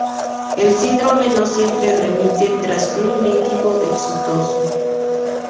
El síndrome no siempre remite tras un litigio exitoso.